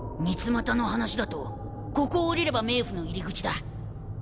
ミツマタの話だとここを下りれば冥府の入り口だ。